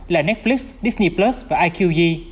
là netflix disney plus và iqg